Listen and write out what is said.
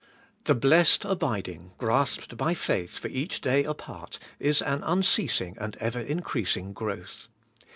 The blessed abiding grasped by faith for each day apart is an un ceasing and ever increasing growth.